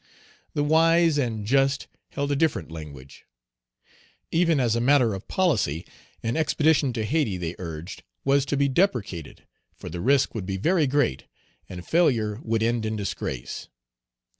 The wise and just held a different language. Even as a matter of policy an expedition to Hayti, they urged, was to be deprecated, for the risk would be very great, and failure would end in disgrace.